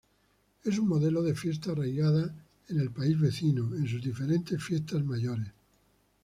Es un modelo de fiesta arraigada al país vecino, en sus diferentes fiestas mayores.